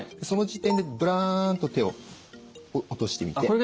その時点でぶらんと手を落としてみて。